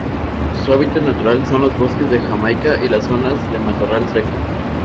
Su hábitat natural son los bosques de Jamaica y las zonas de matorral seco.